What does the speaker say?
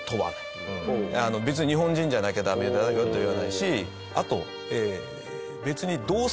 別に日本人じゃなきゃダメだよと言わないしあと別に。